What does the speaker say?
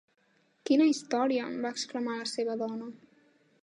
"Quina història!" va exclamar la seva dona.